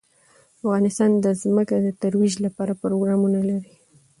افغانستان د ځمکه د ترویج لپاره پروګرامونه لري.